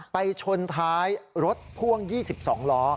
ไปชนท้ายรถพ่วง๒๒ล้อ